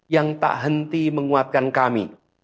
yang tak henti menguatkan kami